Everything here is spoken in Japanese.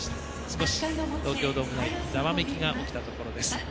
少し、東京ドームがざわめきが起きたところです。